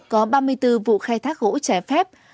có ba mươi bốn vụ khai thác gỗ trái phép